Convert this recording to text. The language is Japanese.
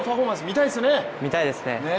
見たいですね。